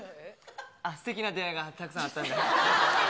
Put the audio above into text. すてきな出会いがたくさんあったんで。